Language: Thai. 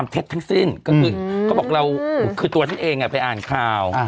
เท็จทั้งสิ้นก็คือเขาบอกเราคือตัวฉันเองไปอ่านข่าว